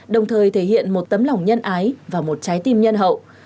đồng thời thể hiện một tấm lòng nhân ái và một trái tim nhân hậu